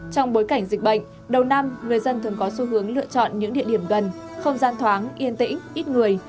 trong bối cảnh dịch bệnh đầu năm người dân thường có xu hướng lựa chọn những địa điểm gần không gian thoáng yên tĩnh ít người